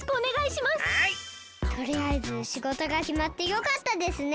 とりあえずしごとがきまってよかったですね！